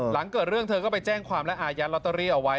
หลังเกิดเรื่องเธอก็ไปแจ้งความและอายัดลอตเตอรี่เอาไว้